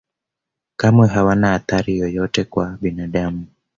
kamwe hawana athari yoyote kwa binadamu